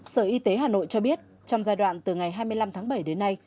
sở y tế hà nội cho biết trong giai đoạn từ ngày hai mươi năm tháng bảy đến nay